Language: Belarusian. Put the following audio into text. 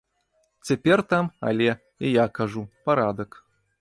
Цяпер там, але, і я кажу, парадак.